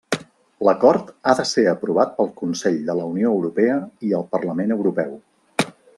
L'acord ha de ser aprovat pel Consell de la Unió Europea i el Parlament Europeu.